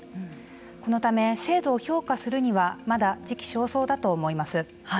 このため、制度を評価するにはまだ時期尚早だと思います。